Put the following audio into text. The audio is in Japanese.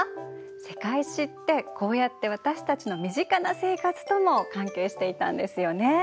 「世界史」ってこうやって私たちの身近な生活とも関係していたんですよね。